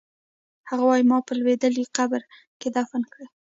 هغه وایی ما په لوېدلي قبر کې دفن کړئ